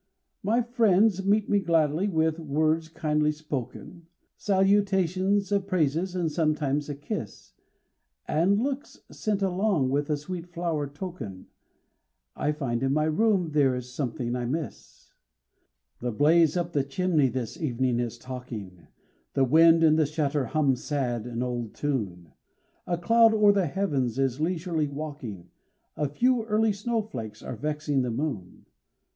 My friends meet me gladly with words kindly spoken, Salutations of praises and sometimes a kiss, And looks sent along with a sweet flower token. I find in my room there is something I miss. The blaze up the chimney this evening is talking, The wind and the shutter hum sad an old tune, A cloud o'er the heavens is leisurely walking, A few early snowflakes are vexing the moon.